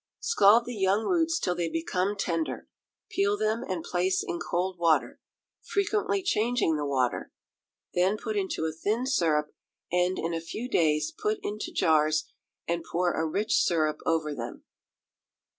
Scald the young roots till they become tender, peel them, and place in cold water, frequently changing the water: then put into a thin syrup, and, in a few days, put into jars, and pour a rich syrup over them.